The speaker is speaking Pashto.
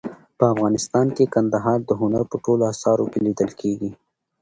په افغانستان کې کندهار د هنر په ټولو اثارو کې لیدل کېږي.